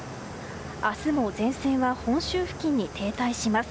明日も前線は本州付近に停滞します。